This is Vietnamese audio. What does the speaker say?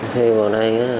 khi vào đây